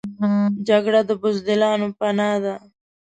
جګړه د بزدلانو پناه ده